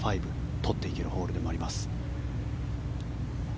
とっていけるホールでもあります。